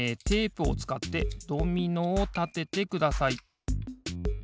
テープをつかってドミノをたててください。